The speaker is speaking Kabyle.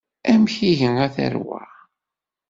Amek ihi a tarwa?